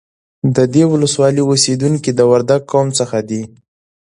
د دې ولسوالۍ اوسیدونکي د وردگ قوم څخه دي